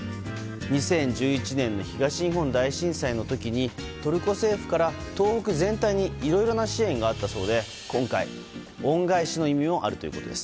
２０１１年の東日本大震災の時にトルコ政府から東北全体にいろいろな支援があったそうで今回、恩返しの意味もあるということです。